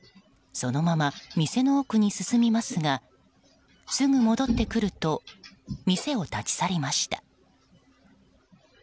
そのまま店の奥に進みますがすぐ戻ってくると店を立ち去りました。